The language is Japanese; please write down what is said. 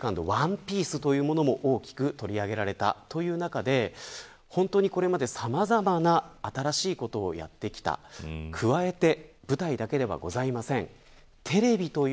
そしてスーパー歌舞伎ＩＩＯＮＥＰＩＥＣＥというものも大きく取り上げられたという中で本当にこれまで、さまざまな新しいことをやってきた加えて舞台だけではございません。